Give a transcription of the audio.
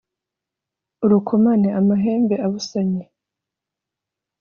urukomane: amahembe abusanye;